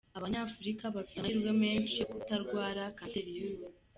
Abanyafurika bafite amahirwe menshi yo kutarwara kanseri y’uruhu